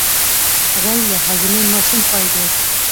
غول د هاضمې ماشین پای دی.